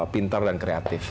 pintar dan kreatif